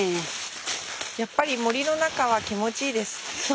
やっぱり森の中は気持ちいいです。